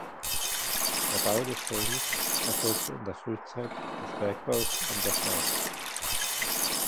Der Bau des Stollens erfolgte in der Frühzeit des Bergbaus an der Saar.